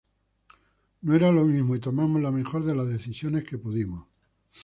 No era lo mismo y tomamos la mejor de las decisiones que pudimos.